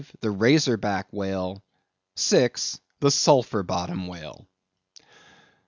the Razor Back Whale; VI. the Sulphur Bottom Whale.